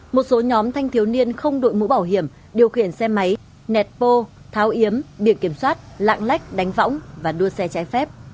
một số nhóm thanh thiếu niên không đội mũ bảo hiểm điều khiển xe máy nẹt bô tháo yếm biệt kiểm soát lạng lách đánh võng và đua xe trái phép